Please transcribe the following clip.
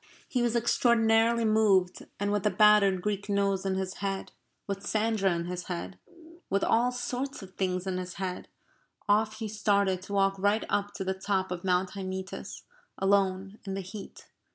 He was extraordinarily moved, and with the battered Greek nose in his head, with Sandra in his head, with all sorts of things in his head, off he started to walk right up to the top of Mount Hymettus, alone, in the heat.